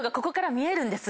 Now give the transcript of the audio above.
見えるんです。